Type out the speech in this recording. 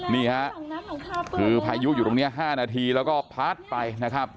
นี่ฮะคือพายุอยู่ตรงนี้๕นาทีแล้วก็พัดไปนะครับ